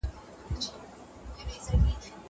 ولي دغه قصه په احسن القصص نومول سوې ده؟